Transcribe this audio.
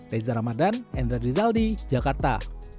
reza ramadan endra rizaldi jakarta